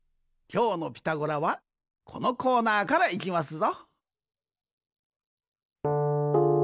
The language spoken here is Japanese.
きょうの「ピタゴラ」はこのコーナーからいきますぞ。